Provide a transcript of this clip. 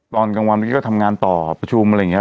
ตอนกลางวันพี่ก็ทำงานต่อประชุมอะไรอย่างนี้